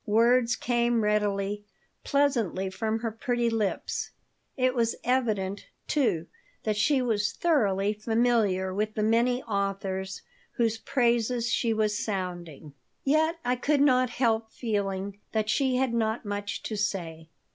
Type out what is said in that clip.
Words came readily, pleasantly from her pretty lips. It was evident, too, that she was thoroughly familiar with the many authors whose praises she was sounding. Yet I could not help feeling that she had not much to say.